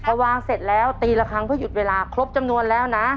พอวางเสร็จแล้วตีละครั้งเพื่อหยุดเวลาครบจำนวนแล้วนะ